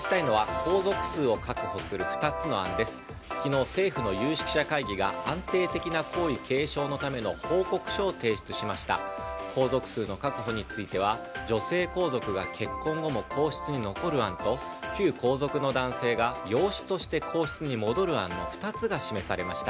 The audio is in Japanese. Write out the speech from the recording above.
皇族数の確保については女性皇族が結婚後も皇室に残る案と旧皇族の男性が養子として皇室に戻る案の２つが示されました。